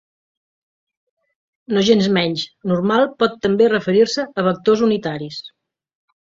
Nogensmenys, normal pot també referir-se a vectors unitaris.